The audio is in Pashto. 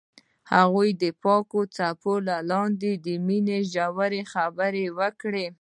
هغوی د پاک څپو لاندې د مینې ژورې خبرې وکړې.